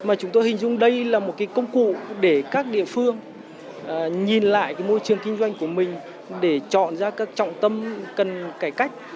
mà chúng tôi hình dung đây là một công cụ để các địa phương nhìn lại môi trường kinh doanh của mình để chọn ra các trọng tâm cần cải cách